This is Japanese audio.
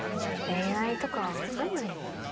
恋愛とかは分かんないな。